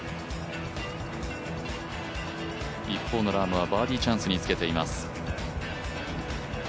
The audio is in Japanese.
一方のラームはバーディーチャンスにつけています。